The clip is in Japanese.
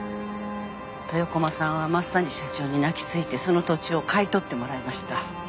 豊駒さんは増谷社長に泣き付いてその土地を買い取ってもらいました。